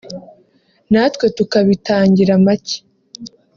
natwe tukabitangira make